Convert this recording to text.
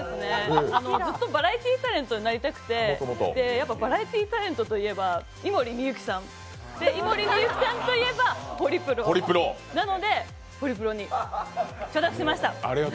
ずっとバラエティータレントになりたくて、やっぱバラエティータレントといえば井森美幸さん、井森美幸さんといえばホリプロなので、ホリプロに所属しました。